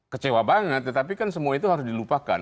kecewa banget tetapi kan semua itu harus dilupakan